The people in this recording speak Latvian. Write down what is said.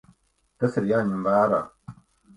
Tas ir jāņem vērā.